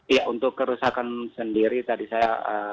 ya untuk kerusakan sendiri tadi saya